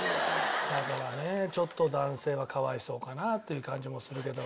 だからねちょっと男性は可哀想かなっていう感じもするけど。